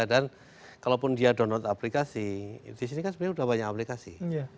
dan kalaupun dia download aplikasi disini kan sebenarnya udah banyak aplikasi